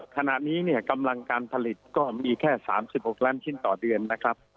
ขณะนี้เนี่ยกำลังการผลิตก็มีแค่๓๖ล้านชิ้นต่อเดือนนะครับ